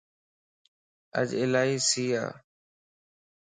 اڄ الائي سي ا